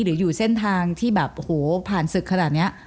หรืออยู่เส้นทางที่แบบโอ้โหผ่านศึกขนาดนี้